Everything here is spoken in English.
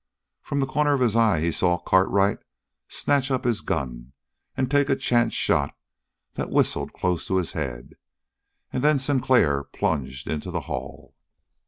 From the corner of his eye, he saw Cartwright snatch up his gun and take a chance shot that whistled close to his head, and then Sinclair plunged into the hall.